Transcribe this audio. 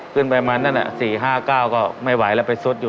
ขึ้นไปมันนั่น๔๕๙ก็ไม่ไหวแล้วไปซุดอยู่